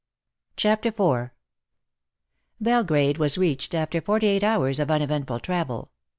CHAPTER IV Belgrade was reached after forty eight hours of uneventful travel.